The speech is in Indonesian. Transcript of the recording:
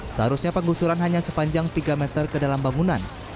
seharusnya penggusuran hanya sepanjang tiga meter ke dalam bangunan